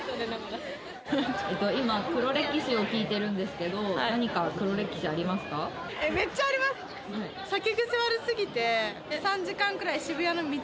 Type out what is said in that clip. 今黒歴史を聞いてるんですけど何か黒歴史ありますか？